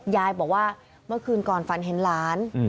ยายบอกว่าเมื่อคืนก่อนฝันเห็นหลาน